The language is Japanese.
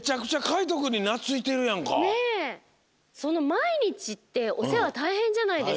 まいにちっておせわたいへんじゃないですか。